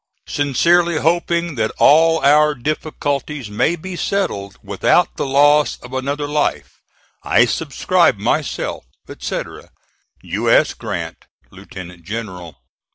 Sincerely hoping that all our difficulties may be settled without the loss of another life, I subscribe myself, etc., U. S. GRANT, Lieutenant General.